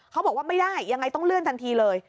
เขาบอกว่าไม่ได้ยังไงต้องเลื่อนทันทีเลย